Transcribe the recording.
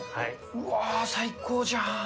うわー、最高じゃん。